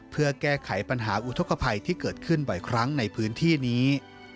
เพื่อแก้ไขปัญหาอุทธกภัยที่เกิดขึ้นบ่อยครั้งในพื้นที่นี้